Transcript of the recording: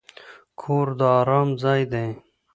کور د ارام ځای دی.